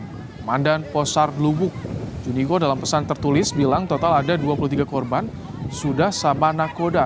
komandan posar blubuk junigo dalam pesan tertulis bilang total ada dua puluh tiga korban sudah sama nakoda